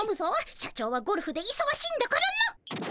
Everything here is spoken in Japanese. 社長はゴルフでいそがしいんだからな。